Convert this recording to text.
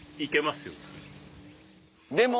でも。